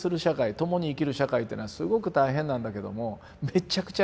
共に生きる社会っていうのはすごく大変なんだけどもめっちゃくちゃ